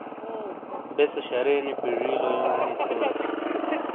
بیسے شرے نی پجیلویوں جونی تھونس۔